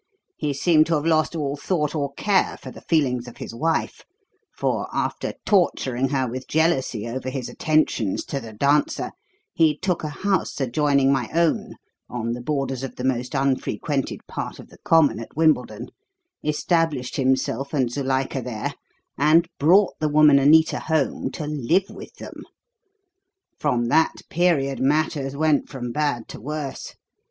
He seemed to have lost all thought or care for the feelings of his wife, for, after torturing her with jealousy over his attentions to the dancer, he took a house adjoining my own on the borders of the most unfrequented part of the common at Wimbledon established himself and Zuilika there, and brought the woman Anita home to live with them. From that period matters went from bad to worse.